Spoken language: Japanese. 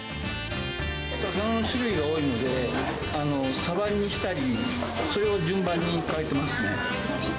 魚の種類が多いので、サバにしたり、それを順番に変えてますね。